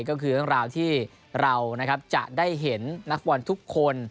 ก็คือข้างล่างที่เรานะครับจะได้เห็นนักบอลทุกคน